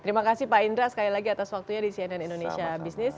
terima kasih pak indra sekali lagi atas waktunya di cnn indonesia business